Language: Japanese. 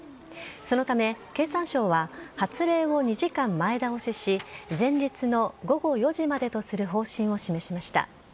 そのため経産省は発令を２時間前倒しし前日の午後４時までとする方針を示しました。